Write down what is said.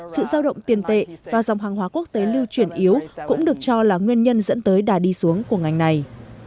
sự giao động tiền tệ và dòng hàng hóa quốc tế lưu chuyển yếu cũng được cho là nguyên nhân dẫn tới đà đi xuống của ngành này